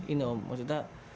ini om maksudnya